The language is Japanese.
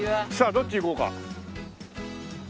さあどっち行こうか。